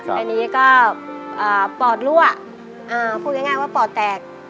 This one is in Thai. อันนี้ก็ปอดรั่วพูดง่ายว่าปอดแตก